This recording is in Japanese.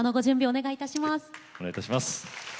お願いいたします。